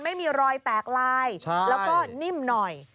ไม่มีรอยแตกลายแล้วก็นิ่มหน่อย